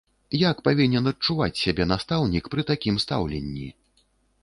Як павінен адчуваць сябе настаўнік пры такім стаўленні?